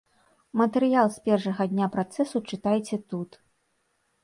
Матэрыял з першага дня працэсу чытайце тут.